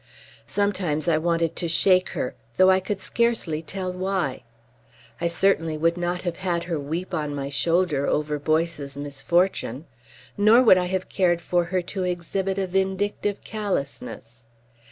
Sometimes I wanted to shake her, though I could scarcely tell why. I certainly would not have had her weep on my shoulder over Boyce's misfortune; nor would I have cared for her to exhibit a vindictive callousness.